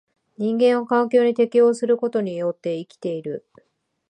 人間は環境に適応することによって生きている。